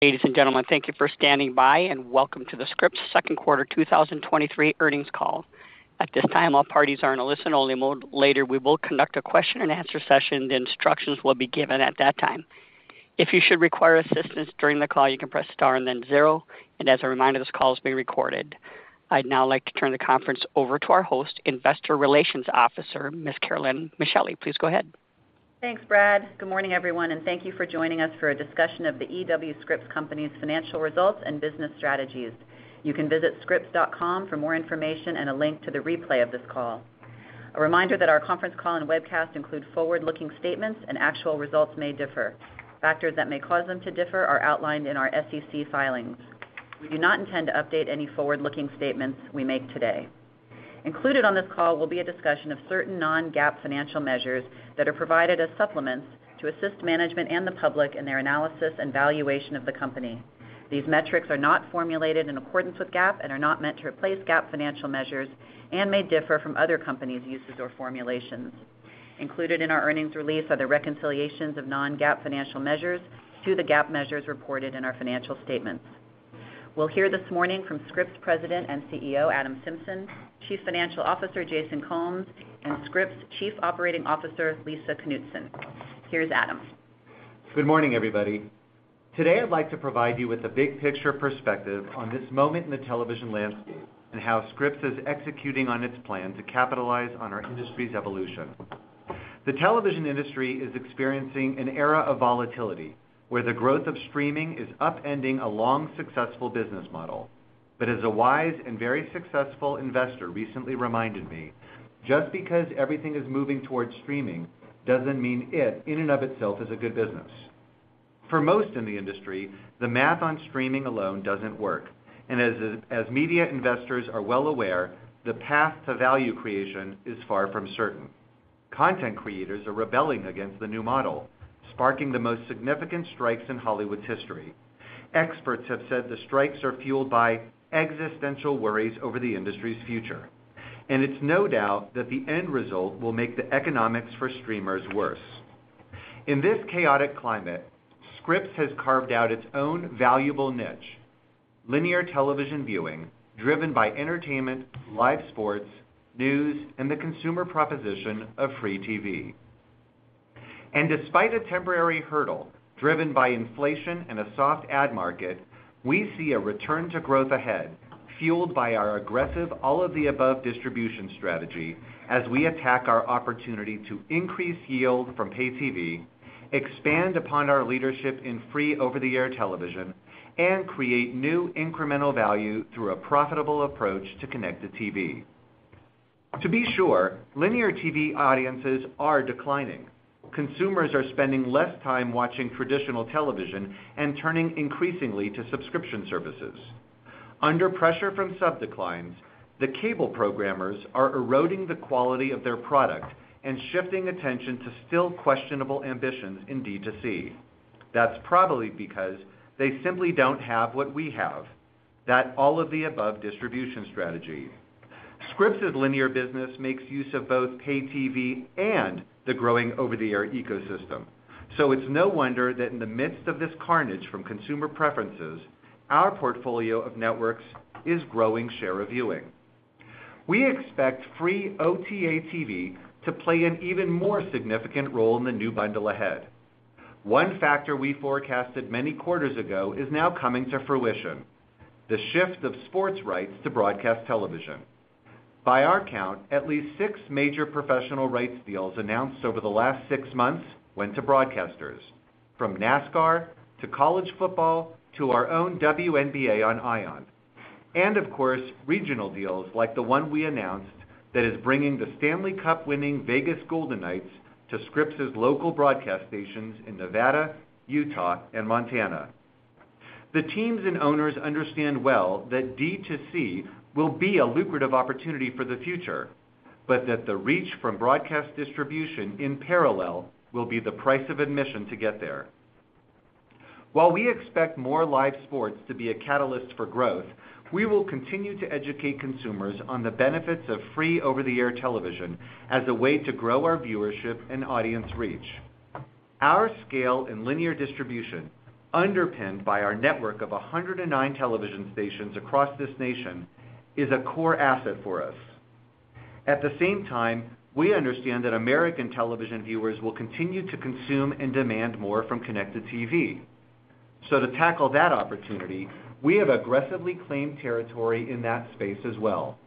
Ladies and gentlemen, thank you for standing by, and welcome to the Scripps Second Quarter 2023 Earnings Call. At this time, all parties are in a listen-only mode. Later, we will conduct a question-and-answer session, the instructions will be given at that time. If you should require assistance during the call, you can press star and then zero, and as a reminder, this call is being recorded. I'd now like to turn the conference over to our host, Investor Relations Officer, Ms. Carolyn Micheli. Please go ahead. Thanks, Brad. Good morning, everyone, and thank you for joining us for a discussion of The E.W. Scripps Company's financial results and business strategies. You can visit scripps.com for more information and a link to the replay of this call. A reminder that our conference call and webcast include forward-looking statements and actual results may differ. Factors that may cause them to differ are outlined in our SEC filings. We do not intend to update any forward-looking statements we make today. Included on this call will be a discussion of certain non-GAAP financial measures that are provided as supplements to assist management and the public in their analysis and valuation of the company. These metrics are not formulated in accordance with GAAP and are not meant to replace GAAP financial measures and may differ from other companies' uses or formulations. Included in our earnings release are the reconciliations of non-GAAP financial measures to the GAAP measures reported in our financial statements. We'll hear this morning from Scripps President and CEO, Adam Symson, Chief Financial Officer, Jason Combs, and Scripps Chief Operating Officer, Lisa Knutson. Here's Adam. Good morning, everybody. Today, I'd like to provide you with a big picture perspective on this moment in the television landscape and how Scripps is executing on its plan to capitalize on our industry's evolution. The television industry is experiencing an era of volatility, where the growth of streaming is upending a long, successful business model. As a wise and very successful investor recently reminded me, just because everything is moving towards streaming doesn't mean it, in and of itself, is a good business. For most in the industry, the math on streaming alone doesn't work, and as media investors are well aware, the path to value creation is far from certain. Content creators are rebelling against the new model, sparking the most significant strikes in Hollywood's history. Experts have said the strikes are fueled by existential worries over the industry's future, and it's no doubt that the end result will make the economics for streamers worse. In this chaotic climate, Scripps has carved out its own valuable niche, linear television viewing, driven by entertainment, live sports, news, and the consumer proposition of free TV. Despite a temporary hurdle driven by inflation and a soft ad market, we see a return to growth ahead, fueled by our aggressive all-of-the-above distribution strategy as we attack our opportunity to increase yield from pay TV, expand upon our leadership in free over-the-air television, and create new incremental value through a profitable approach to connected TV. To be sure, linear TV audiences are declining. Consumers are spending less time watching traditional television and turning increasingly to subscription services. Under pressure from sub declines, the cable programmers are eroding the quality of their product and shifting attention to still questionable ambitions in D2C. That's probably because they simply don't have what we have, that all-of-the-above distribution strategy. Scripps' linear business makes use of both pay TV and the growing over-the-air ecosystem. It's no wonder that in the midst of this carnage from consumer preferences, our portfolio of networks is growing share of viewing. We expect free OTA TV to play an even more significant role in the new bundle ahead. One factor we forecasted many quarters ago is now coming to fruition, the shift of sports rights to broadcast television. By our count, at least six major professional rights deals announced over the last six months went to broadcasters, from NASCAR to college football to our own WNBA on ION. Of course, regional deals like the one we announced that is bringing the Stanley Cup-winning Vegas Golden Knights to Scripps' local broadcast stations in Nevada, Utah, and Montana. The teams and owners understand well that D2C will be a lucrative opportunity for the future, but that the reach from broadcast distribution in parallel will be the price of admission to get there. While we expect more live sports to be a catalyst for growth, we will continue to educate consumers on the benefits of free over-the-air television as a way to grow our viewership and audience reach. Our scale in linear distribution, underpinned by our network of 109 television stations across this nation, is a core asset for us. At the same time, we understand that American television viewers will continue to consume and demand more from connected TV. To tackle that opportunity, we have aggressively claimed territory in that space as well.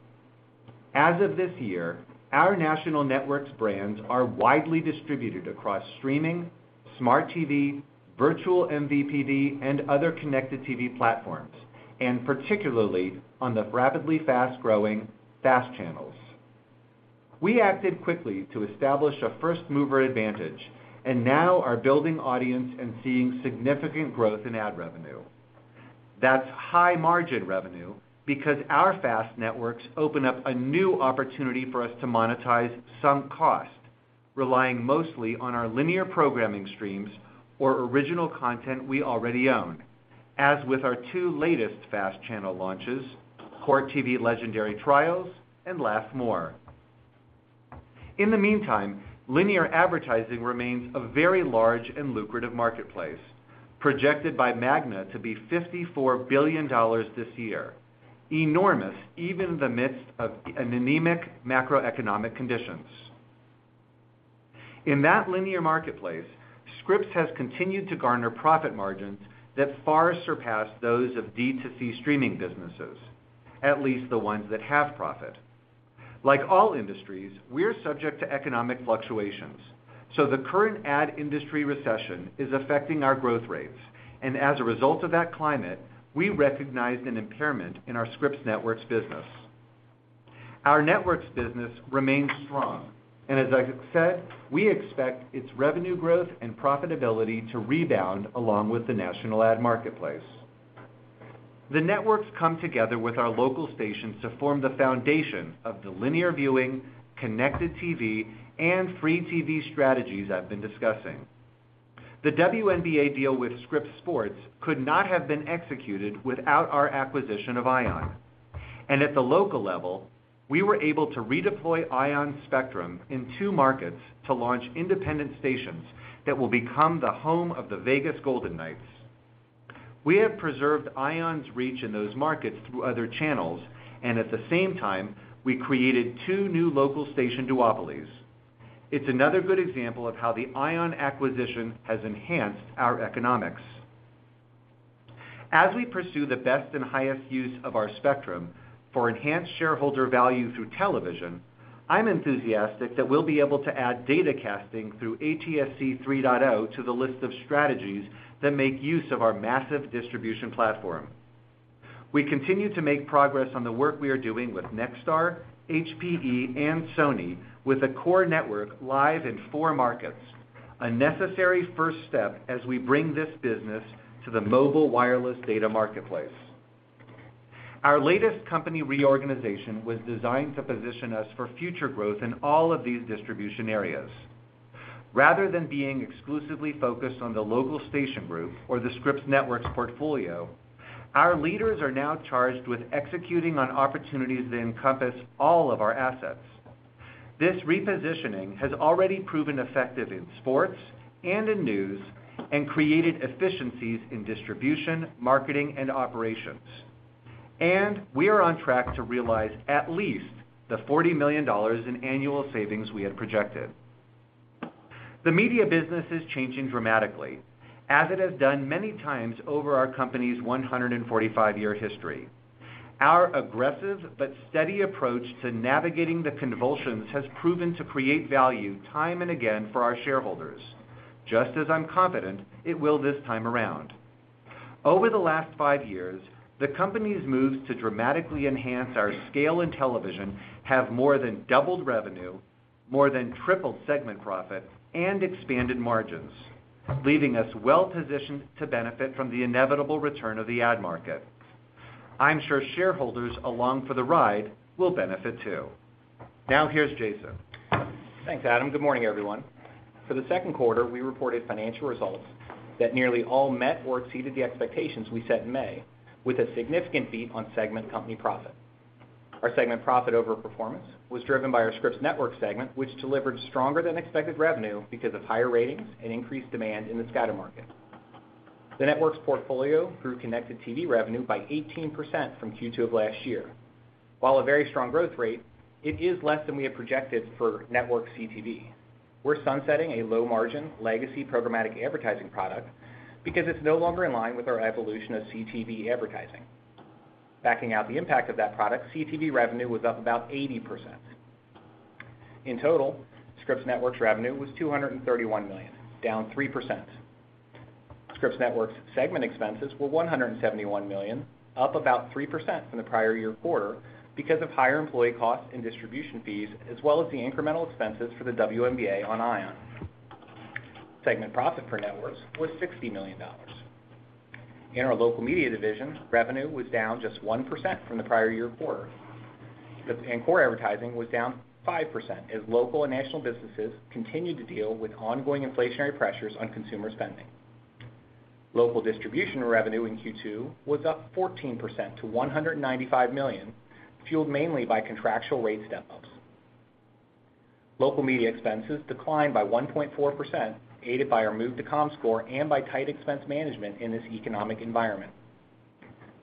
As of this year, our national networks brands are widely distributed across streaming, smart TV, virtual MVPD, and other connected TV platforms, and particularly on the rapidly fast-growing FAST channels. We acted quickly to establish a first-mover advantage and now are building audience and seeing significant growth in ad revenue. That's high-margin revenue because our FAST networks open up a new opportunity for us to monetize sunk cost, relying mostly on our linear programming streams or original content we already own, as with our two latest FAST channel launches, Court TV: Legendary Trials and Laff More. In the meantime, linear advertising remains a very large and lucrative marketplace, projected by Magna to be $54 billion this year. Enormous, even in the midst of an anemic macroeconomic conditions. In that linear marketplace, Scripps has continued to garner profit margins that far surpass those of D2C streaming businesses, at least the ones that have profit. Like all industries, we're subject to economic fluctuations, so the current ad industry recession is affecting our growth rates, and as a result of that climate, we recognized an impairment in our Scripps Networks business. Our Networks business remains strong, and as I said, we expect its revenue growth and profitability to rebound along with the national ad marketplace. The networks come together with our local stations to form the foundation of the linear viewing, connected TV, and free TV strategies I've been discussing. The WNBA deal with Scripps Sports could not have been executed without our acquisition of ION. At the local level, we were able to redeploy ION's spectrum in two markets to launch independent stations that will become the home of the Vegas Golden Knights. We have preserved ION's reach in those markets through other channels, and at the same time, we created two new local station duopolies. It's another good example of how the ION acquisition has enhanced our economics. As we pursue the best and highest use of our spectrum for enhanced shareholder value through television, I'm enthusiastic that we'll be able to add datacasting through ATSC 3.0 to the list of strategies that make use of our massive distribution platform. We continue to make progress on the work we are doing with Nexstar, HPE, and Sony, with a core network live in four markets, a necessary first step as we bring this business to the mobile wireless data marketplace. Our latest company reorganization was designed to position us for future growth in all of these distribution areas. Rather than being exclusively focused on the local station group or the Scripps Networks portfolio, our leaders are now charged with executing on opportunities that encompass all of our assets. This repositioning has already proven effective in sports and in news, created efficiencies in distribution, marketing, and operations. We are on track to realize at least $40 million in annual savings we had projected. The media business is changing dramatically, as it has done many times over our company's 145-year history. Our aggressive but steady approach to navigating the convulsions has proven to create value time and again for our shareholders, just as I'm confident it will this time around. Over the last five years, the company's moves to dramatically enhance our scale in television have more than doubled revenue, more than tripled segment profit and expanded margins, leaving us well-positioned to benefit from the inevitable return of the ad market. I'm sure shareholders along for the ride will benefit, too. Now, here's Jason. Thanks, Adam. Good morning, everyone. For the second quarter, we reported financial results that nearly all met or exceeded the expectations we set in May, with a significant beat on segment company profit. Our segment profit overperformance was driven by our Scripps Networks segment, which delivered stronger than expected revenue because of higher ratings and increased demand in the scatter market. The Networks portfolio grew connected TV revenue by 18% from Q2 of last year. While a very strong growth rate, it is less than we had projected for network CTV. We're sunsetting a low-margin legacy programmatic advertising product because it's no longer in line with our evolution of CTV advertising. Backing out the impact of that product, CTV revenue was up about 80%. In total, Scripps Networks revenue was $231 million, down 3%. Scripps Networks segment expenses were $171 million, up about 3% from the prior year quarter because of higher employee costs and distribution fees, as well as the incremental expenses for the WNBA on ION. Segment profit for Networks was $60 million. In our Local Media division, revenue was down just 1% from the prior year quarter. Core advertising was down 5%, as local and national businesses continued to deal with ongoing inflationary pressures on consumer spending. Local distribution revenue in Q2 was up 14% to $195 million, fueled mainly by contractual rate step-ups. Local Media expenses declined by 1.4%, aided by our move to Comscore and by tight expense management in this economic environment.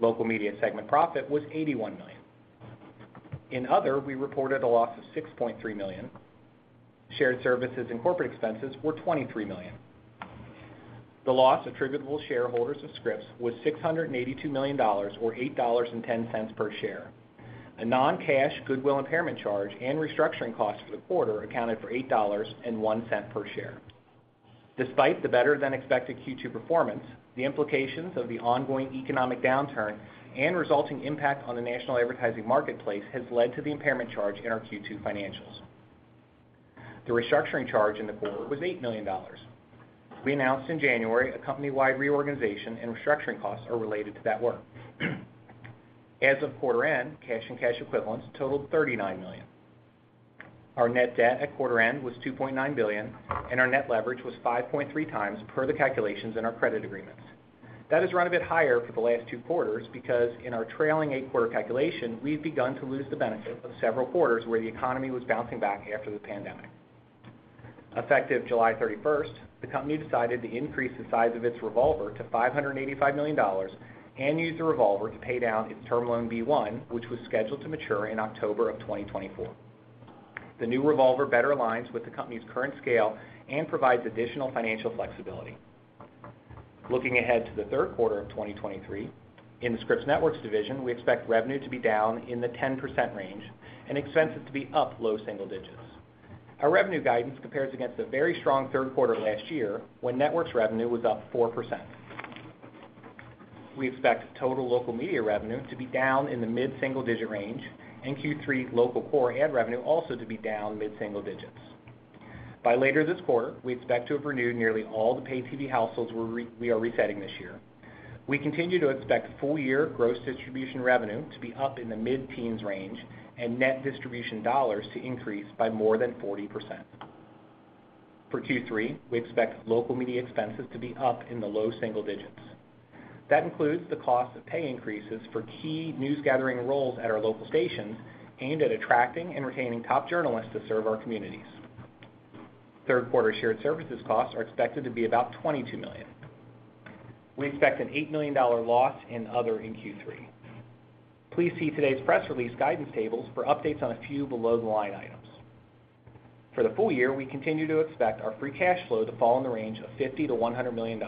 Local Media segment profit was $81 million. In other, we reported a loss of $6.3 million. Shared services and corporate expenses were $23 million. The loss attributable to shareholders of Scripps was $682 million, or $8.10 per share. A non-cash goodwill impairment charge and restructuring costs for the quarter accounted for $8.01 per share. Despite the better-than-expected Q2 performance, the implications of the ongoing economic downturn and resulting impact on the national advertising marketplace has led to the impairment charge in our Q2 financials. The restructuring charge in the quarter was $8 million. We announced in January a company-wide reorganization, and restructuring costs are related to that work. As of quarter end, cash and cash equivalents totaled $39 million. Our net debt at quarter end was $2.9 billion, and our net leverage was 5.3xper the calculations in our credit agreements. That has run a bit higher for the last two quarters, because in our trailing eight-quarter calculation, we've begun to lose the benefit of several quarters where the economy was bouncing back after the pandemic. Effective July 31st, the company decided to increase the size of its revolver to $585 million and use the revolver to pay down its term loan B-1, which was scheduled to mature in October of 2024. The new revolver better aligns with the company's current scale and provides additional financial flexibility. Looking ahead to the third quarter of 2023, in the Scripps Networks division, we expect revenue to be down in the 10% range and expenses to be up low single digits. Our revenue guidance compares against a very strong third quarter last year, when Networks revenue was up 4%. We expect total Local Media revenue to be down in the mid-single-digit range, and Q3 local core ad revenue also to be down mid-single digits. By later this quarter, we expect to have renewed nearly all the pay TV households we are resetting this year. We continue to expect full year gross distribution revenue to be up in the mid-teens range and net distribution dollars to increase by more than 40%. For Q3, we expect Local Media expenses to be up in the low single digits. That includes the cost of pay increases for key news gathering roles at our local stations, aimed at attracting and retaining top journalists to serve our communities. Third quarter shared services costs are expected to be about $22 million. We expect an $8 million loss in other in Q3. Please see today's press release guidance tables for updates on a few below-the-line items. For the full year, we continue to expect our free cash flow to fall in the range of $50 million-$100 million.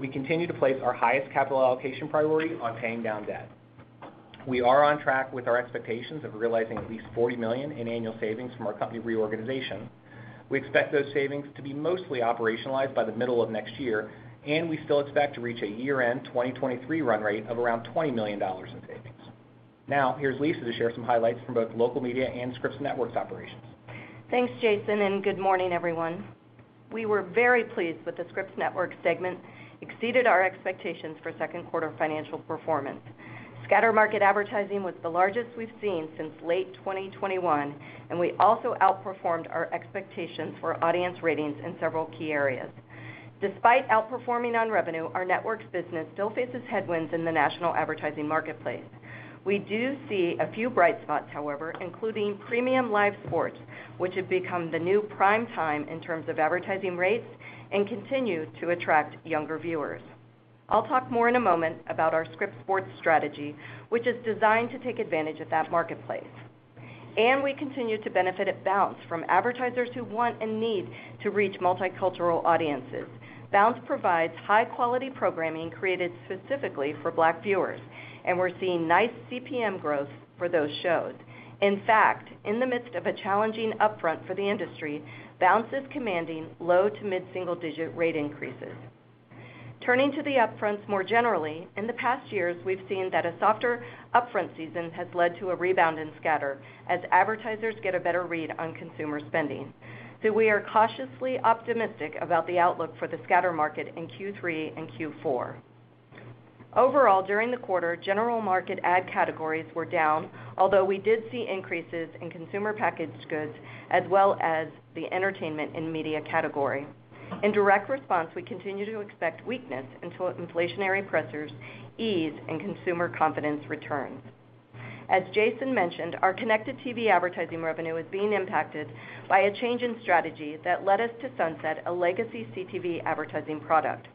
We continue to place our highest capital allocation priority on paying down debt. We are on track with our expectations of realizing at least $40 million in annual savings from our company reorganization. We expect those savings to be mostly operationalized by the middle of next year, and we still expect to reach a year-end 2023 run rate of around $20 million in savings. Here's Lisa to share some highlights from both Local Media and Scripps Networks operations. Thanks, Jason, and good morning, everyone. We were very pleased with the Scripps Networks segment, exceeded our expectations for second quarter financial performance. Scatter market advertising was the largest we've seen since late 2021, and we also outperformed our expectations for audience ratings in several key areas. Despite outperforming on revenue, our networks business still faces headwinds in the national advertising marketplace. We do see a few bright spots, however, including premium live sports, which have become the new prime time in terms of advertising rates and continue to attract younger viewers. I'll talk more in a moment about our Scripps Sports strategy, which is designed to take advantage of that marketplace. We continue to benefit at Bounce from advertisers who want and need to reach multicultural audiences. Bounce provides high-quality programming created specifically for Black viewers, and we're seeing nice CPM growth for those shows. In fact, in the midst of a challenging upfront for the industry, Bounce is commanding low to mid-single digit rate increases. Turning to the upfronts more generally, in the past years, we've seen that a softer upfront season has led to a rebound in scatter as advertisers get a better read on consumer spending. We are cautiously optimistic about the outlook for the scatter market in Q3 and Q4. Overall, during the quarter, general market ad categories were down, although we did see increases in consumer packaged goods, as well as the entertainment and media category. In direct response, we continue to expect weakness until inflationary pressures ease and consumer confidence returns. As Jason mentioned, our connected TV advertising revenue is being impacted by a change in strategy that led us to sunset a legacy CTV advertising product.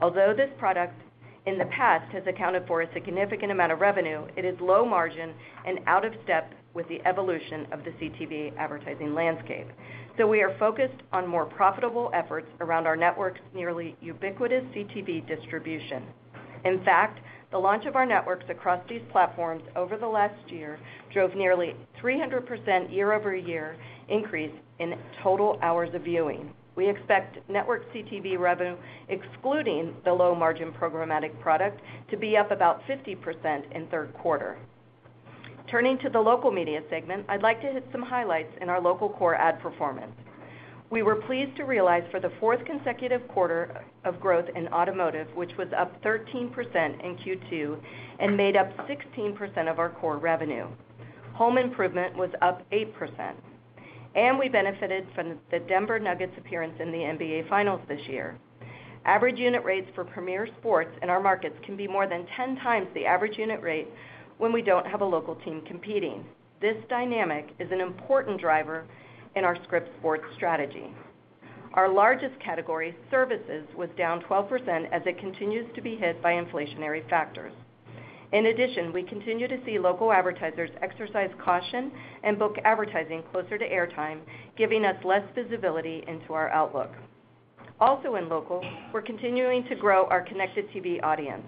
Although this product in the past has accounted for a significant amount of revenue, it is low margin and out of step with the evolution of the CTV advertising landscape. We are focused on more profitable efforts around our network's nearly ubiquitous CTV distribution. In fact, the launch of our networks across these platforms over the last year drove nearly 300% year-over-year increase in total hours of viewing. We expect network CTV revenue, excluding the low-margin programmatic product, to be up about 50% in third quarter. Turning to the Local Media segment, I'd like to hit some highlights in our local core ad performance. We were pleased to realize for the fourth consecutive quarter of growth in Automotive, which was up 13% in Q2 and made up 16% of our core revenue. Home Improvement was up 8%, and we benefited from the Denver Nuggets appearance in the NBA Finals this year. Average unit rates for premier sports in our markets can be more than 10x the average unit rate when we don't have a local team competing. This dynamic is an important driver in our Scripps Sports strategy. Our largest category, Services, was down 12% as it continues to be hit by inflationary factors. In addition, we continue to see local advertisers exercise caution and book advertising closer to air time, giving us less visibility into our outlook. Also in local, we're continuing to grow our connected TV audience.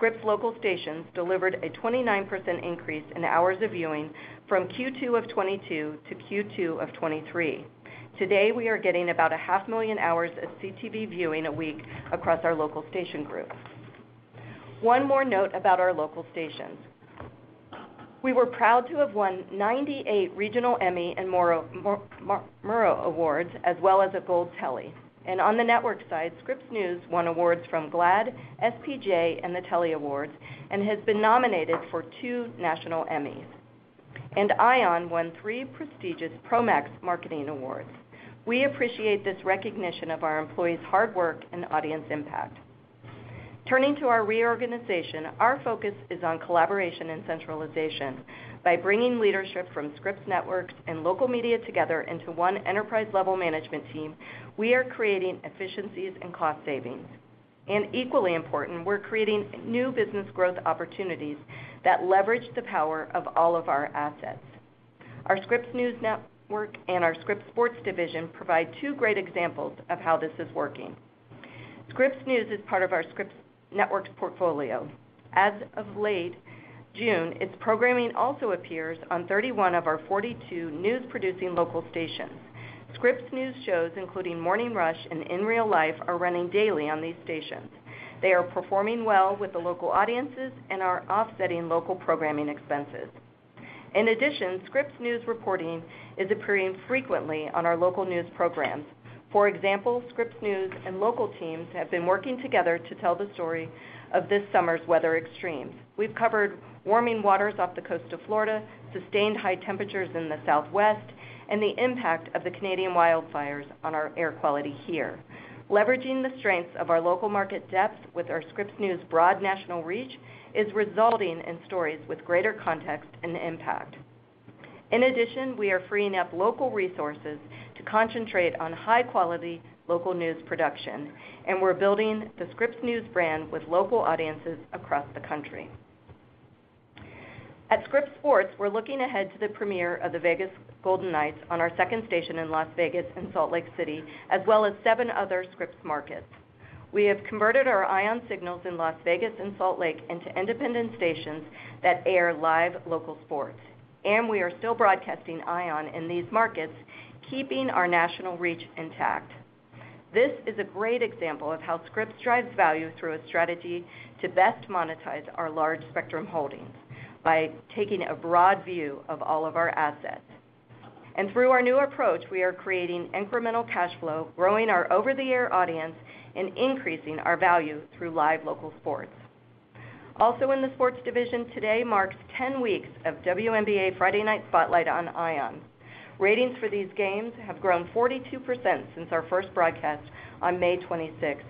Scripps local stations delivered a 29% increase in hours of viewing from Q2 of 2022 to Q2 of 2023. Today, we are getting about 500,000 hours of CTV viewing a week across our local station group. One more note about our local stations. We were proud to have won 98 regional Emmy and Murrow Awards, as well as a Gold Telly. On the network side, Scripps News won awards from GLAAD, SPJ, and the Telly Awards, and has been nominated for two national Emmys. ION won three prestigious Promax marketing awards. We appreciate this recognition of our employees' hard work and audience impact. Turning to our reorganization, our focus is on collaboration and centralization. By bringing leadership from Scripps Networks and Local Media together into one enterprise-level management team, we are creating efficiencies and cost savings. Equally important, we're creating new business growth opportunities that leverage the power of all of our assets. Our Scripps News and our Scripps Sports division provide two great examples of how this is working. Scripps News is part of our Scripps Networks portfolio. As of late June, its programming also appears on 31 of our 42 news-producing local stations. Scripps News shows, including Morning Rush and In Real Life, are running daily on these stations. They are performing well with the local audiences and are offsetting local programming expenses. In addition, Scripps News reporting is appearing frequently on our local news programs. For example, Scripps News and local teams have been working together to tell the story of this summer's weather extremes. We've covered warming waters off the coast of Florida, sustained high temperatures in the Southwest, and the impact of the Canadian wildfires on our air quality here. Leveraging the strengths of our local market depth with our Scripps News broad national reach, is resulting in stories with greater context and impact. In addition, we are freeing up local resources to concentrate on high-quality local news production, and we're building the Scripps News brand with local audiences across the country. At Scripps Sports, we're looking ahead to the premiere of the Vegas Golden Knights on our second station in Las Vegas and Salt Lake City, as well as seven other Scripps markets. We have converted our ION signals in Las Vegas and Salt Lake into independent stations that air live local sports, and we are still broadcasting ION in these markets, keeping our national reach intact. This is a great example of how Scripps drives value through a strategy to best monetize our large spectrum holdings by taking a broad view of all of our assets. Through our new approach, we are creating incremental cash flow, growing our over-the-air audience, and increasing our value through live local sports. Also, in the Sports division, today marks 10 weeks of WNBA Friday Night Spotlight on ION. Ratings for these games have grown 42% since our first broadcast on May 26th.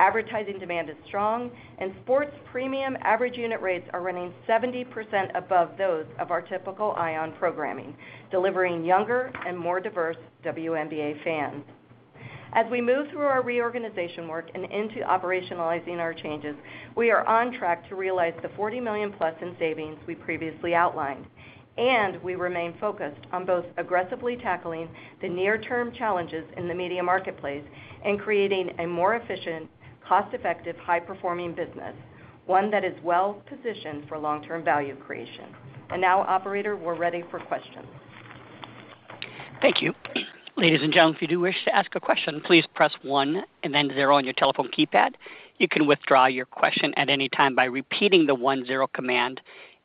Advertising demand is strong, and sports premium average unit rates are running 70% above those of our typical ION programming, delivering younger and more diverse WNBA fans. As we move through our reorganization work and into operationalizing our changes, we are on track to realize the $40 million+ in savings we previously outlined, and we remain focused on both aggressively tackling the near-term challenges in the media marketplace and creating a more efficient, cost-effective, high-performing business, one that is well-positioned for long-term value creation. Now, operator, we're ready for questions. Thank you. Ladies and gentlemen, if you do wish to ask a question, please press one and then zero on your telephone keypad. You can withdraw your question at any time by repeating the one, zero command,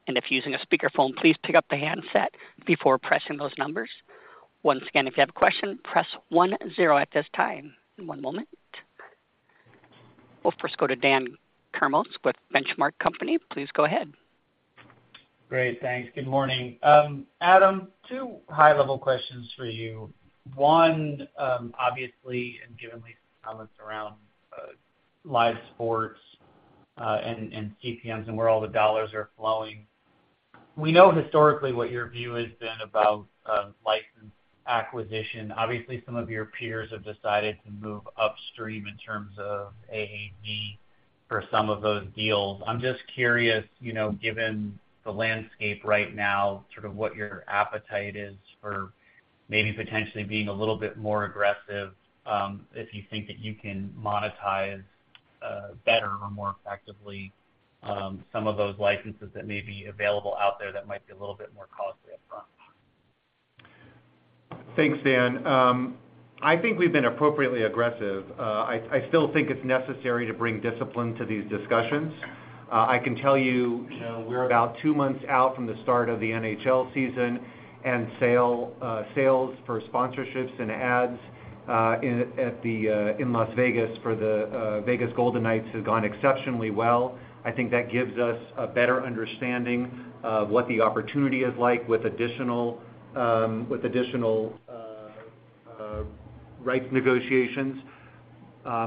and if using a speakerphone, please pick up the handset before pressing those numbers. Once again, if you have a question, press one, zero at this time. One moment. We'll first go to Daniel Kurnos with Benchmark Company. Please go ahead. Great. Thanks. Good morning. Adam, two high-level questions for you. One, obviously, and given Lisa's comments around live sports, and, and CPMs and where all the dollars are flowing, we know historically what your view has been about license acquisition. Obviously, some of your peers have decided to move upstream in terms of A, B for some of those deals. I'm just curious, you know, given the landscape right now, sort of what your appetite is for maybe potentially being a little bit more aggressive, if you think that you can monetize better or more effectively, some of those licenses that may be available out there, that might be a little bit more costly upfront. Thanks, Dan. I think we've been appropriately aggressive. I, I still think it's necessary to bring discipline to these discussions. I can tell you, you know, we're about two months out from the start of the NHL season, and sale, sales for sponsorships and ads, in, at the, in Las Vegas for the, Vegas Golden Knights has gone exceptionally well. I think that gives us a better understanding of what the opportunity is like with additional, with additional, rights negotiations,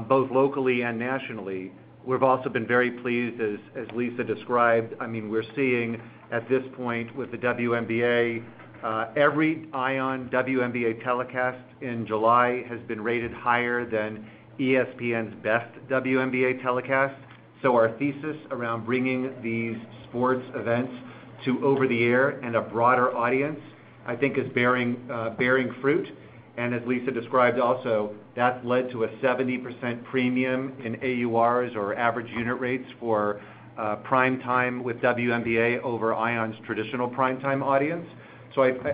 both locally and nationally. We've also been very pleased, as, as Lisa described, I mean, we're seeing at this point with the WNBA, every ION WNBA telecast in July has been rated higher than ESPN's best WNBA telecast. Our thesis around bringing these sports events to over the air and a broader audience, I think is bearing bearing fruit. As Lisa described also, that's led to a 70% premium in AURs, or average unit rates, for prime time with WNBA over ION's traditional prime time audience.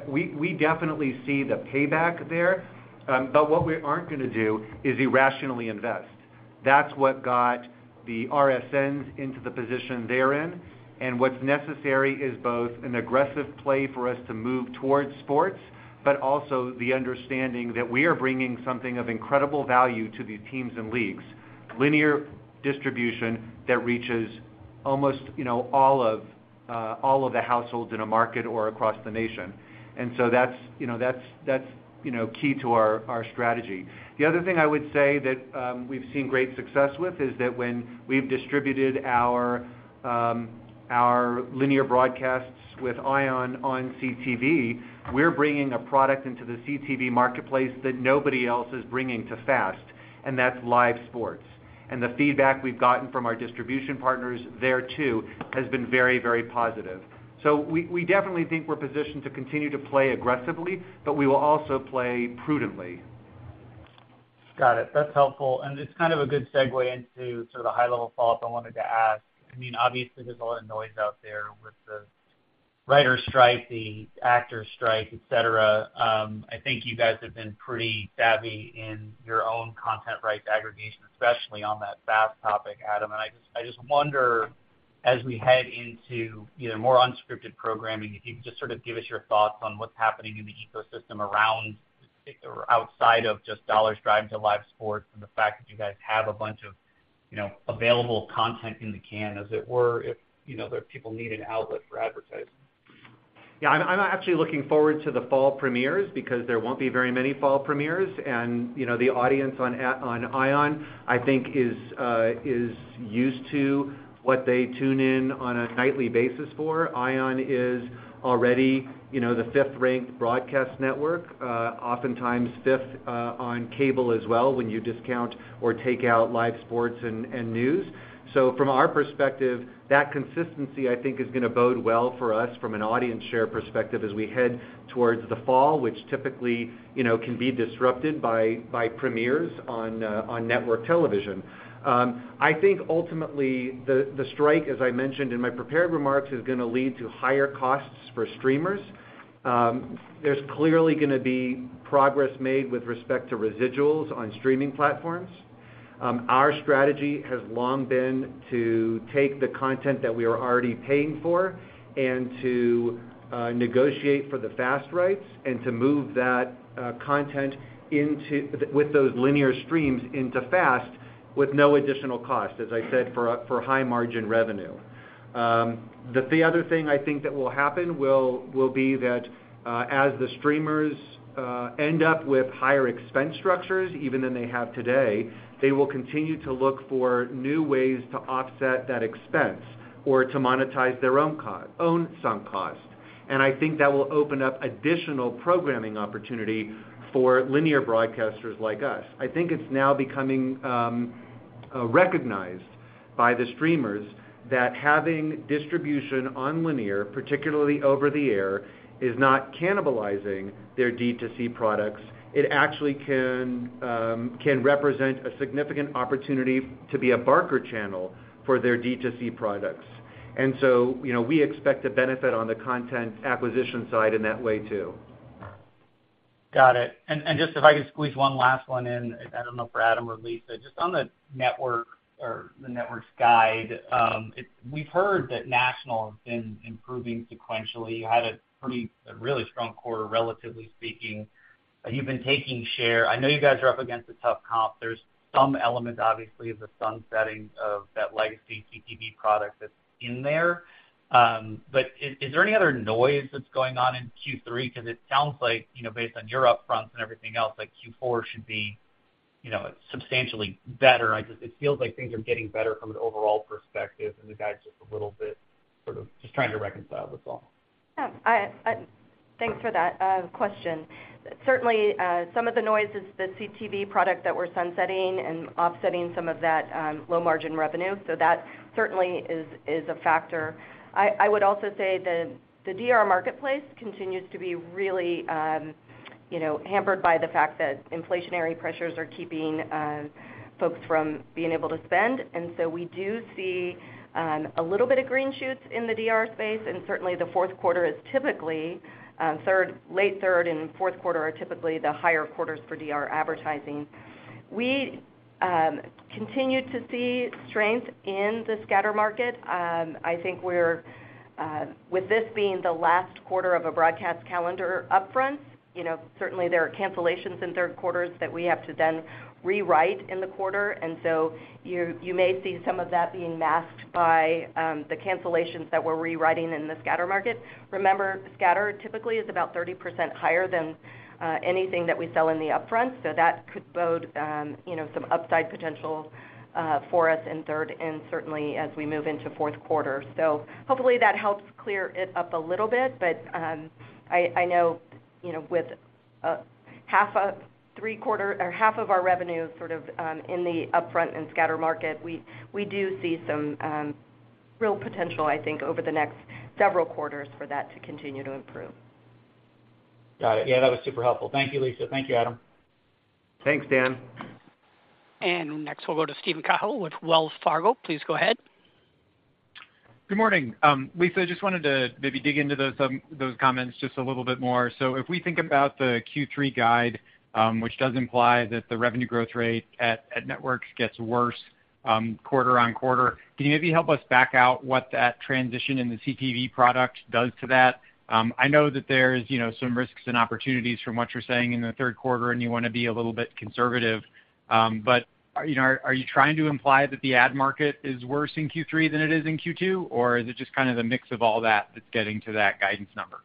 We, we definitely see the payback there. What we aren't gonna do is irrationally invest. That's what got the RSNs into the position they're in. What's necessary is both an aggressive play for us to move towards sports, but also the understanding that we are bringing something of incredible value to these teams and leagues.... linear distribution that reaches almost, you know, all of, all of the households in a market or across the nation. That's, you know, that's, that's, you know, key to our, our strategy. The other thing I would say that, we've seen great success with, is that when we've distributed our, our linear broadcasts with ION on CTV, we're bringing a product into the CTV marketplace that nobody else is bringing to FAST, and that's live sports. The feedback we've gotten from our distribution partners there, too, has been very, very positive. We, we definitely think we're positioned to continue to play aggressively, but we will also play prudently. Got it. That's helpful, and it's kind of a good segue into sort of the high-level thoughts I wanted to ask. I mean, obviously, there's a lot of noise out there with the writers' strike, the actors' strike, et cetera. I think you guys have been pretty savvy in your own content rights aggregation, especially on that FAST topic, Adam. I just, I just wonder, as we head into, you know, more unscripted programming, if you could just sort of give us your thoughts on what's happening in the ecosystem around or outside of just dollars driving to live sports and the fact that you guys have a bunch of, you know, available content in the can, as it were, if, you know, the people need an outlet for advertising. Yeah, I'm, I'm actually looking forward to the fall premieres because there won't be very many fall premieres. You know, the audience on ION, I think, is, is used to what they tune in on a nightly basis for. ION is already, you know, the fifth-ranked broadcast network, oftentimes fifth, on cable as well, when you discount or take out live sports and news. From our perspective, that consistency, I think, is gonna bode well for us from an audience share perspective as we head towards the fall, which typically, you know, can be disrupted by premieres on network television. I think ultimately, the strike, as I mentioned in my prepared remarks, is gonna lead to higher costs for streamers. There's clearly gonna be progress made with respect to residuals on streaming platforms. Our strategy has long been to take the content that we are already paying for and to negotiate for the FAST rights and to move that content with those linear streams into FAST with no additional cost, as I said, for high-margin revenue. The other thing I think that will happen will be that as the streamers end up with higher expense structures, even than they have today, they will continue to look for new ways to offset that expense or to monetize their own sunk cost. I think that will open up additional programming opportunity for linear broadcasters like us. I think it's now becoming recognized by the streamers that having distribution on linear, particularly over-the-air, is not cannibalizing their D2C products. It actually can, can represent a significant opportunity to be a barker channel for their D2C products. You know, we expect to benefit on the content acquisition side in that way, too. Got it. Just if I could squeeze one last one in, I don't know, for Adam or Lisa, just on the network or the Scripps Networks guide, we've heard that National has been improving sequentially. You had a pretty, a really strong quarter, relatively speaking, you've been taking share. I know you guys are up against a tough comp. There's some element, obviously, of the sunsetting of that legacy CTV product that's in there. Is there any other noise that's going on in Q3? It sounds like, you know, based on your upfronts and everything else, like Q4 should be, you know, substantially better. It feels like things are getting better from an overall perspective, and the guide's just a little bit... Sort of just trying to reconcile, that's all. Yeah, I, I- thanks for that question. Certainly, some of the noise is the CTV product that we're sunsetting and offsetting some of that low margin revenue. That certainly is, is a factor. I, I would also say the, the DR marketplace continues to be really, you know, hampered by the fact that inflationary pressures are keeping folks from being able to spend. We do see a little bit of green shoots in the DR space, and certainly, the fourth quarter is typically, third- late third and fourth quarter are typically the higher quarters for DR advertising. We continue to see strength in the scatter market. I think we're with this being the last quarter of a broadcast calendar upfront, certainly there are cancellations in third quarters that we have to then rewrite in the quarter. You, you may see some of that being masked by the cancellations that we're rewriting in the scatter market. Remember, scatter typically is about 30% higher than anything that we sell in the upfront, so that could bode some upside potential for us in third quarter, and certainly as we move into fourth quarter. Hopefully, that helps clear it up a little bit, but, I, I know, you know, with, half a three quarter or half of our revenue sort of, in the upfront and scatter market, we, we do see some, real potential, I think, over the next several quarters for that to continue to improve. Got it. Yeah, that was super helpful. Thank you, Lisa. Thank you, Adam. Thanks, Dan. Next, we'll go to Steven Cahall with Wells Fargo. Please go ahead. Good morning. Lisa, just wanted to maybe dig into those, those comments just a little bit more. If we think about the Q3 guide, which does imply that the revenue growth rate at, at networks gets worse, quarter-on-quarter, can you maybe help us back out what that transition in the CTV product does to that? I know that there's, you know, some risks and opportunities from what you're saying in the third quarter, and you wanna be a little bit conservative, you know, are, are you trying to imply that the ad market is worse in Q3 than it is in Q2, or is it just kind of a mix of all that that's getting to that guidance number?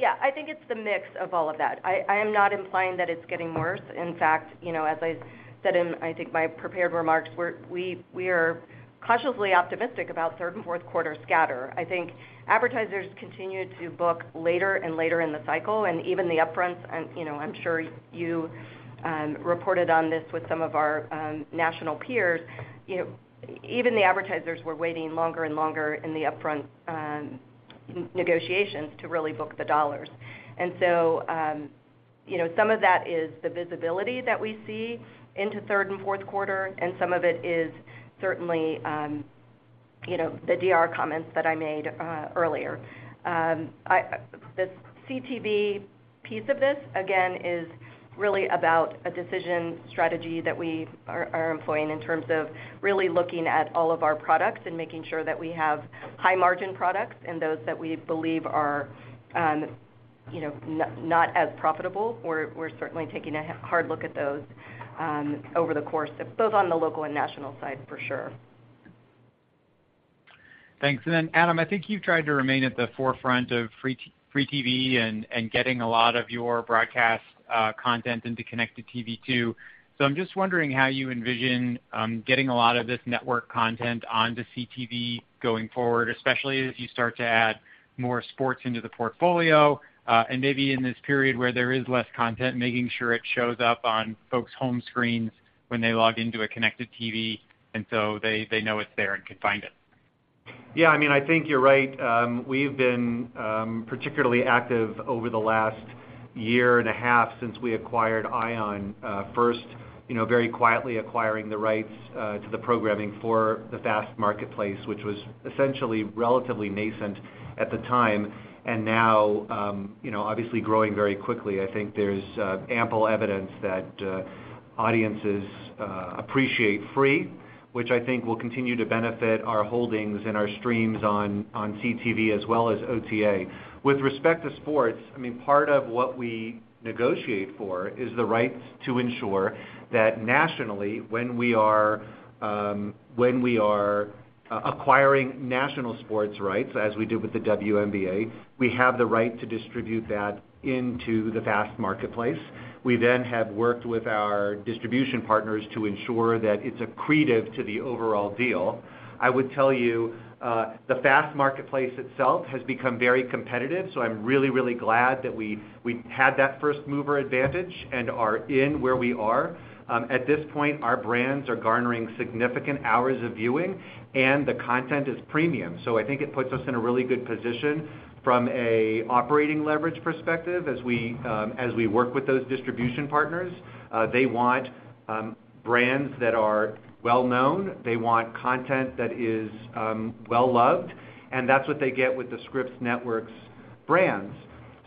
Yeah, I think it's the mix of all of that. I, I am not implying that it's getting worse. In fact, you know, as I said in, I think, my prepared remarks, we are cautiously optimistic about third and fourth quarter scatter. I think advertisers continue to book later and later in the cycle, and even the upfronts, and, you know, I'm sure you reported on this with some of our national peers. You know, even the advertisers were waiting longer and longer in the upfront negotiations to really book the dollars. So, you know, some of that is the visibility that we see into third and fourth quarter, and some of it is certainly, you know, the DR comments that I made earlier. The CTV piece of this, again, is really about a decision strategy that we are, are employing in terms of really looking at all of our products and making sure that we have high-margin products. Those that we believe are, you know, not as profitable, we're, we're certainly taking a hard look at those over the course of both on the local and national side, for sure. Thanks. Then, Adam, I think you've tried to remain at the forefront of free TV and getting a lot of your broadcast content into connected TV, too. I'm just wondering how you envision getting a lot of this network content onto CTV going forward, especially as you start to add more sports into the portfolio, and maybe in this period where there is less content, making sure it shows up on folks' home screens when they log into a connected TV, and so they, they know it's there and can find it. Yeah, I mean, I think you're right. We've been particularly active over the last year and a half since we acquired ION. First, you know, very quietly acquiring the rights to the programming for the FAST marketplace, which was essentially relatively nascent at the time, and now, you know, obviously growing very quickly. I think there's ample evidence that audiences appreciate free, which I think will continue to benefit our holdings and our streams on, on CTV as well as OTA. With respect to sports, I mean, part of what we negotiate for is the rights to ensure that nationally, when we are when we are acquiring national sports rights, as we did with the WNBA, we have the right to distribute that into the FAST marketplace. We have worked with our distribution partners to ensure that it's accretive to the overall deal. I would tell you, the FAST marketplace itself has become very competitive, I'm really, really glad that we, we had that first-mover advantage and are in where we are. At this point, our brands are garnering significant hours of viewing, and the content is premium. I think it puts us in a really good position from an operating leverage perspective as we work with those distribution partners. They want brands that are well-known. They want content that is well-loved, and that's what they get with the Scripps Networks brands.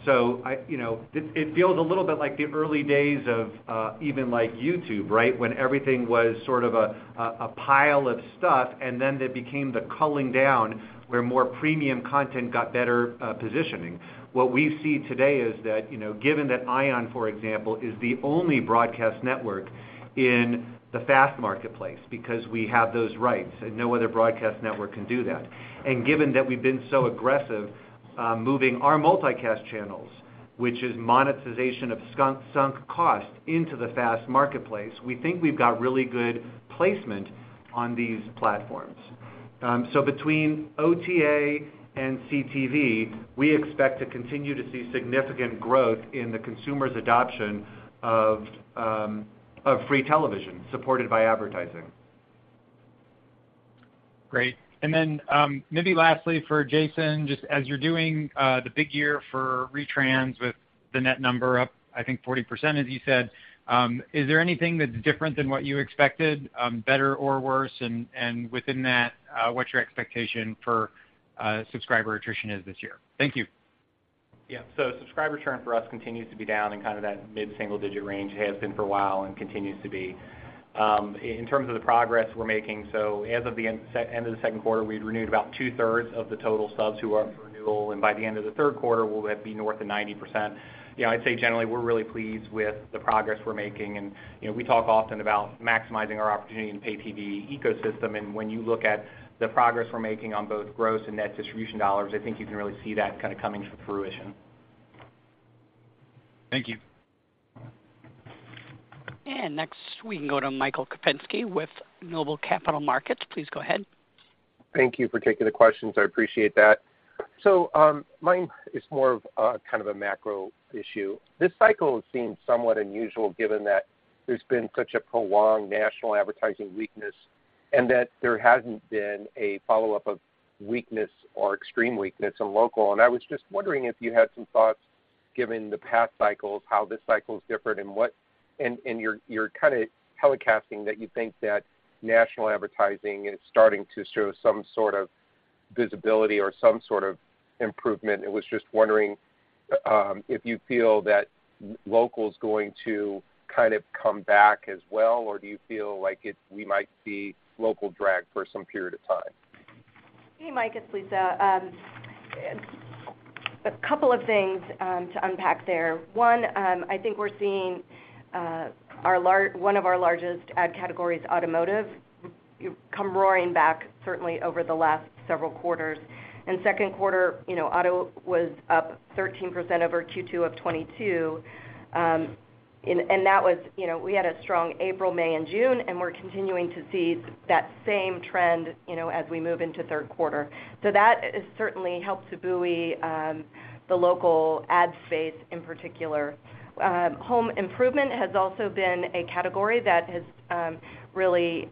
I-- you know, it, it feels a little bit like the early days of even like YouTube, right? When everything was sort of a pile of stuff, then it became the culling down, where more premium content got better positioning. What we see today is that, you know, given that ION, for example, is the only broadcast network in the FAST marketplace, because we have those rights, and no other broadcast network can do that. Given that we've been so aggressive, moving our multicast channels, which is monetization of sunk cost into the FAST marketplace, we think we've got really good placement on these platforms. Between OTA and CTV, we expect to continue to see significant growth in the consumer's adoption of free television, supported by advertising. Great. And then, maybe lastly for Jason, just as you're doing, the big year for retrans with the net number up, I think, 40%, as you said, is there anything that's different than what you expected, better or worse? And, and within that, what's your expectation for subscriber attrition is this year? Thank you. Yeah. Subscriber churn for us continues to be down in kind of that mid-single-digit range. It has been for a while and continues to be. In terms of the progress we're making, as of the end of the second quarter, we've renewed about two-thirds of the total subs who are up for renewal, and by the end of the third quarter, we'll be north of 90%. Yeah, I'd say generally, we're really pleased with the progress we're making, and, you know, we talk often about maximizing our opportunity in the pay TV ecosystem. When you look at the progress we're making on both gross and net distribution dollars, I think you can really see that kind of coming to fruition. Thank you. Next, we can go to Michael Kupinski with Noble Capital Markets. Please go ahead. Thank you for taking the questions. I appreciate that. Mine is more of a kind of a macro issue. This cycle seems somewhat unusual, given that there's been such a prolonged national advertising weakness, and that there hasn't been a follow-up of weakness or extreme weakness in local. I was just wondering if you had some thoughts, given the past cycles, how this cycle is different and what... You're kind of telecasting that you think that national advertising is starting to show some sort of visibility or some sort of improvement. Was just wondering if you feel that local is going to kind of come back as well, or do you feel like we might see local drag for some period of time? Hey, Mike, it's Lisa. A couple of things to unpack there. One, I think we're seeing one of our largest ad categories, Automotive, come roaring back, certainly over the last several quarters. In second quarter, you know, Auto was up 13% over Q2 of 2022. That was, you know, we had a strong April, May, and June, and we're continuing to see that same trend, you know, as we move into third quarter. That has certainly helped to buoy the local ad space in particular. Home Improvement has also been a category that has really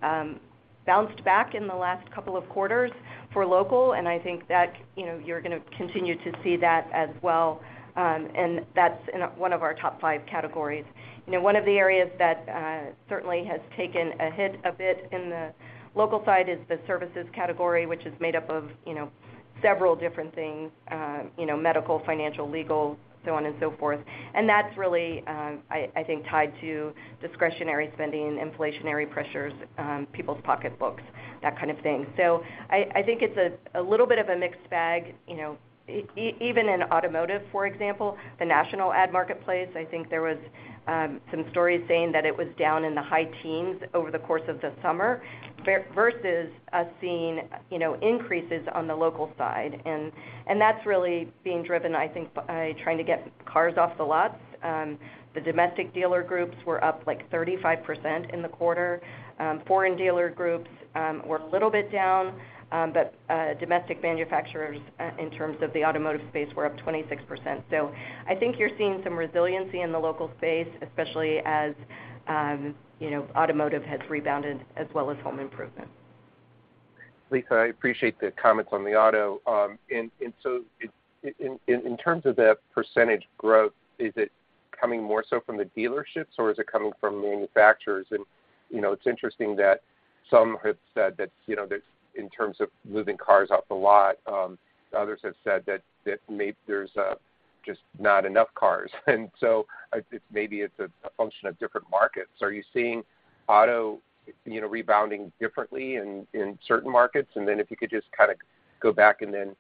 bounced back in the last couple of quarters for local, and I think that, you know, you're gonna continue to see that as well. That's in one of our top five categories. You know, one of the areas that, certainly has taken a hit a bit in the local side is the Services category, which is made up of, you know, several different things, you know, medical, financial, legal, so on and so forth. That's really, I, I think, tied to discretionary spending, inflationary pressures, people's pocketbooks, that kind of thing. I, I think it's a, a little bit of a mixed bag, you know. Even in Automotive, for example, the national ad marketplace, I think there was, some stories saying that it was down in the high teens over the course of the summer, versus us seeing, you know, increases on the local side. That's really being driven, I think, by trying to get cars off the lots. The domestic dealer groups were up, like, 35% in the quarter. Foreign dealer groups were a little bit down, domestic manufacturers, in terms of the Automotive space, were up 26%. I think you're seeing some resiliency in the local space, especially as, you know, Automotive has rebounded as well as Home Improvement. Lisa, I appreciate the comments on the Auto. In, in, in terms of the percentage growth, is it coming more so from the dealerships, or is it coming from the manufacturers? You know, it's interesting that some have said that, you know, that in terms of moving cars off the lot, others have said that, there's just not enough cars. Maybe it's a, a function of different markets. Are you seeing A.uto, you know, rebounding differently in, in certain markets? If you could just kind of go back and then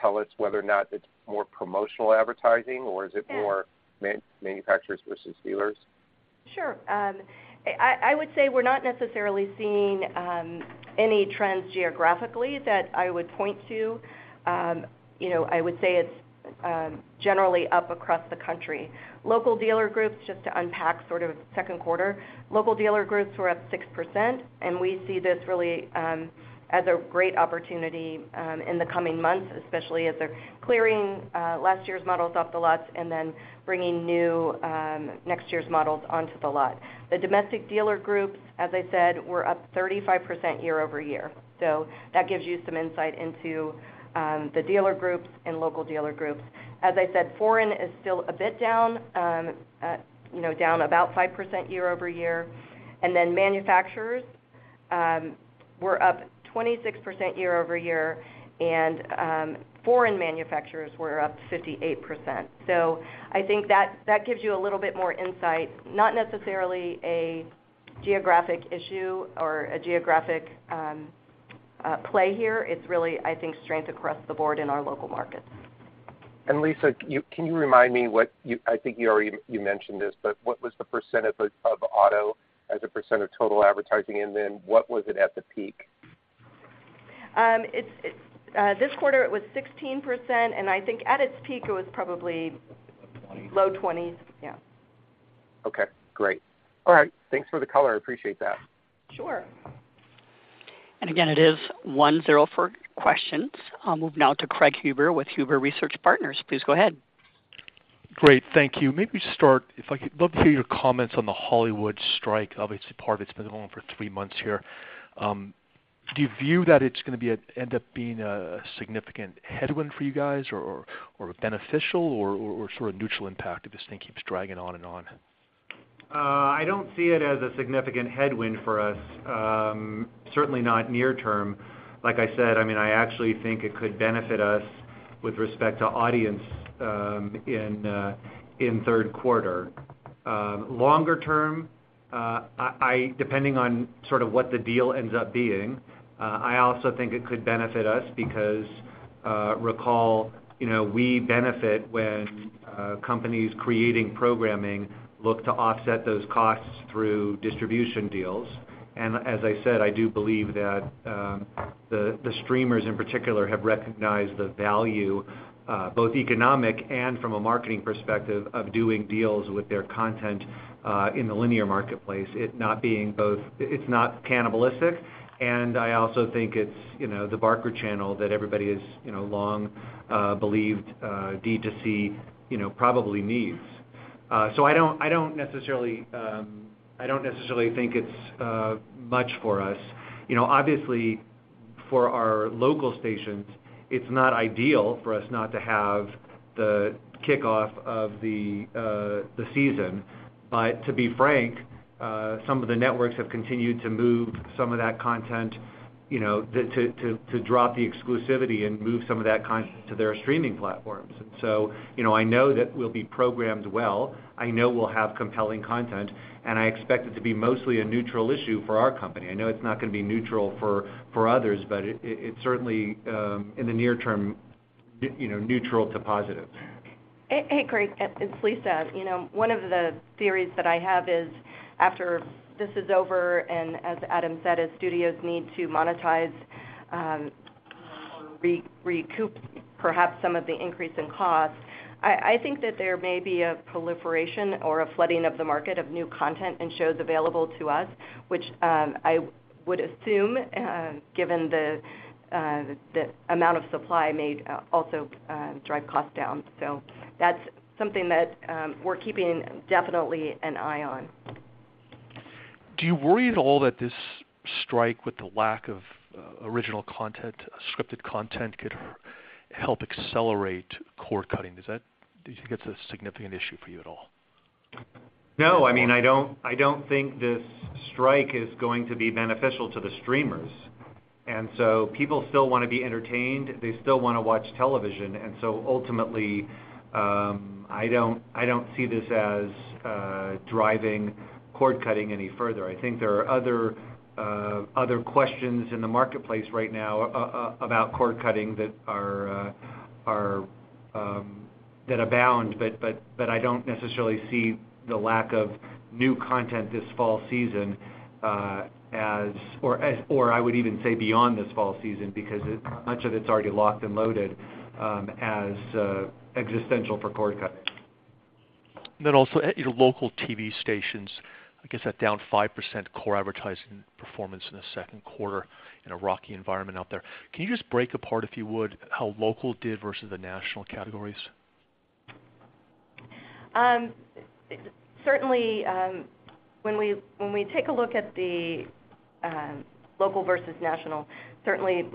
tell us whether or not it's more promotional advertising, or is it more- Yeah... manufacturers versus dealers? Sure. I, I would say we're not necessarily seeing any trends geographically that I would point to. You know, I would say it's generally up across the country. Local dealer groups, just to unpack sort of second quarter, local dealer groups were up 6%, and we see this really as a great opportunity in the coming months, especially as they're clearing last year's models off the lots and then bringing new next year's models onto the lot. The domestic dealer groups, as I said, were up 35% year-over-year. That gives you some insight into the dealer groups and local dealer groups. As I said, foreign is still a bit down, you know, down about 5% year-over-year. Manufacturers were up 26% year-over-year, and foreign manufacturers were up 58%. I think that that gives you a little bit more insight, not necessarily a geographic issue or a geographic play here. It's really, I think, strength across the board in our local markets. Lisa, can you remind me what I think you already, you mentioned this, but what was the % of the, of Auto as a % of total advertising, and then what was it at the peak? It's, it- this quarter, it was 16%, and I think at its peak, it was probably- Low 20s. Yeah. Okay, great. All right. Thanks for the color. I appreciate that. Sure. Again, it is one, zero for questions. I'll move now to Craig Huber with Huber Research Partners. Please go ahead. Great. Thank you. Maybe start, if I could, love to hear your comments on the Hollywood strike. Obviously, part of it's been going on for three months here. Do you view that it's gonna end up being a significant headwind for you guys, or, or, or beneficial or, or sort of neutral impact if this thing keeps dragging on and on? I don't see it as a significant headwind for us, certainly not near term. Like I said, I mean, I actually think it could benefit us with respect to audience, in third quarter. Longer term, I, depending on sort of what the deal ends up being, I also think it could benefit us because, recall, you know, we benefit when companies creating programming look to offset those costs through distribution deals. As I said, I do believe that the, the streamers, in particular, have recognized the value, both economic and from a marketing perspective, of doing deals with their content, in the linear marketplace. It's not cannibalistic, and I also think it's, you know, the Barker channel that everybody has, you know, long believed D2C, you know, probably needs. I don't, I don't necessarily, I don't necessarily think it's much for us. You know, obviously, for our local stations, it's not ideal for us not to have the kickoff of the season. To be frank, some of the networks have continued to move some of that content, you know, the, to, to, to drop the exclusivity and move some of that content to their streaming platforms. You know, I know that we'll be programmed well, I know we'll have compelling content, and I expect it to be mostly a neutral issue for our company. I know it's not gonna be neutral for, for others, but it, it, it certainly, in the near term, you know, neutral to positive. Hey, Hey, Craig, it's Lisa. You know, one of the theories that I have is, after this is over, and as Adam said, as studios need to monetize, recoup perhaps some of the increase in costs. I think that there may be a proliferation or a flooding of the market of new content and shows available to us, which, I would assume, given the, the, the amount of supply may, also, drive costs down. That's something that, we're keeping definitely an eye on. Do you worry at all that this strike, with the lack of original content, scripted content, could help accelerate cord-cutting? Do you think that's a significant issue for you at all? No. I mean, I don't, I don't think this strike is going to be beneficial to the streamers. People still wanna be entertained, they still wanna watch television, and so ultimately, I don't, I don't see this as driving cord-cutting any further. I think there are other, other questions in the marketplace right now about cord-cutting that are, are, that abound, but, but, but I don't necessarily see the lack of new content this fall season, as or as, or I would even say beyond this fall season, because it, much of it's already locked and loaded, as existential for cord-cutting. Also, your local TV stations, I guess, are down 5% core advertising performance in the second quarter in a rocky environment out there. Can you just break apart, if you would, how local did versus the national categories? Certainly, when we, when we take a look at the local versus national, certainly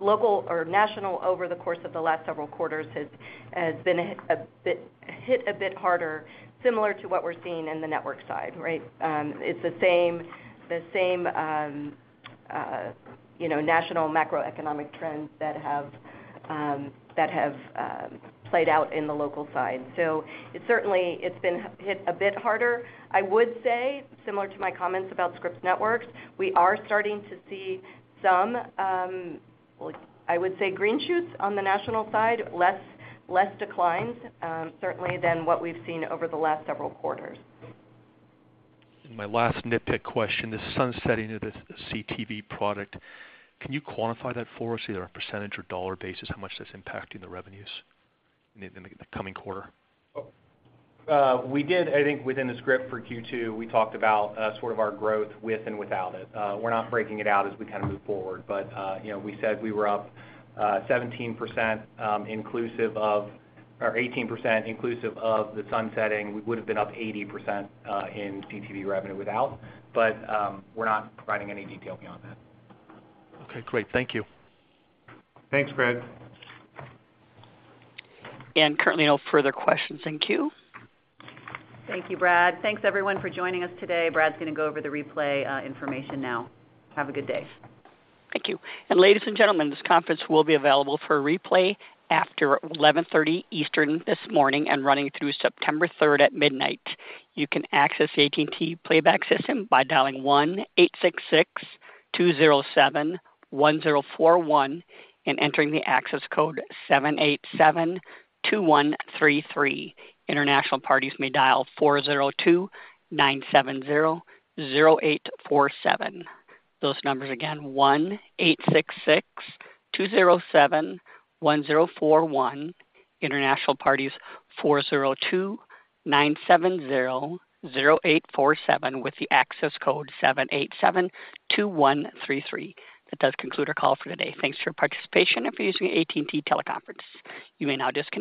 local or national, over the course of the last several quarters, has, has been a bit hit a bit harder, similar to what we're seeing in the network side, right? It's the same, the same, you know, national macroeconomic trends that have, that have, played out in the local side. So it certainly, it's been hit a bit harder. I would say, similar to my comments about Scripps Networks, we are starting to see some, well, I would say, green shoots on the national side, less, less declines, certainly than what we've seen over the last several quarters. My last nitpick question, the sunsetting of the CTV product, can you quantify that for us, either on a % or dollar basis, how much that's impacting the revenues in the, the coming quarter? We did I think within the script for Q2, we talked about sort of our growth with and without it. We're not breaking it out as we kind of move forward. You know, we said we were up 17% inclusive of-- or 18% inclusive of the sunsetting. We would've been up 80% in CTV revenue without, but, we're not providing any detail beyond that. Okay, great. Thank you. Thanks, Craig. Currently, no further questions in queue. Thank you, Brad. Thanks, everyone, for joining us today. Brad's gonna go over the replay information now. Have a good day. Thank you. And ladies and gentlemen, this conference will be available for replay after 11:30 Eastern this morning and running through September 3rd at midnight. You can access the AT&T Playback system by dialing 1-866-207-1041 and entering the access code 7872133. International parties may dial 402-970-0847. Those numbers again, 1-866-207-1041. International parties, 402-970-0847, with the access code 7872133. That does conclude our call for the day. Thanks for your participation and for using AT&T Teleconference. You may now disconnect.